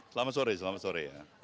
selamat sore selamat sore